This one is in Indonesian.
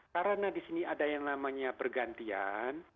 karena di sini ada yang namanya pergantian